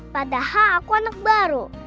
padahal aku anak baru